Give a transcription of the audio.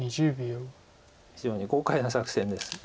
非常に豪快な作戦です